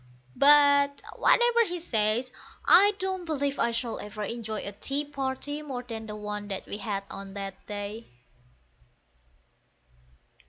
But, whatever he says, I don't believe I shall ever enjoy a tea party more than the one that we had on that day.